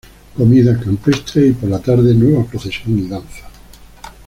Comida campestre y por la tarde nueva procesión y danzas.